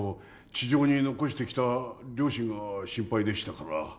地上に残してきた両親が心配でしたから。